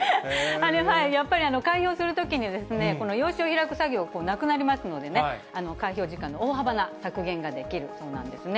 やっぱり開票するときには用紙を開く作業、なくなりますのでね、開票時間の大幅な削減ができるそうなんですね。